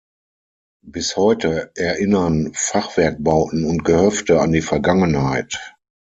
Bis heute erinnern Fachwerkbauten und Gehöfte an die Vergangenheit.